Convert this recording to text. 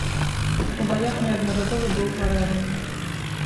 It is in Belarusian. У баях неаднаразова быў паранены.